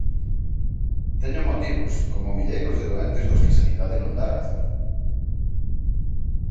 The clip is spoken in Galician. Teño motivos, como milleiros de doentes dos que sanidade non dá razón.